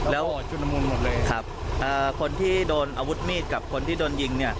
แล้วชุดละมุนหมดเลยครับคนที่โดนอาวุธมีดกับคนที่โดนยิงเนี่ย